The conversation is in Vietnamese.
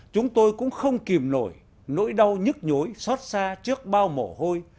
chúng tôi cũng không kìm nổi nỗi đau nhức nhối xót xa trước bao mồ hôi